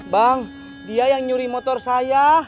bang dia yang nyuri motor saya